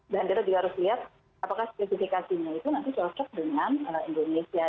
dan kita juga harus lihat apakah spesifikasinya itu nanti cocok dengan indonesia